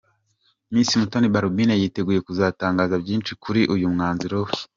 Miss Mutoni Balbine yiteguye kuzatangaza byinshi kuri uyu mwanzuro we.